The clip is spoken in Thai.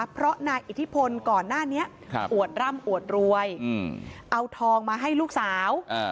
เพราะนายอิทธิพลก่อนหน้านี้อวดร่ำอวดรวยเอาทองมาให้ลูกสาว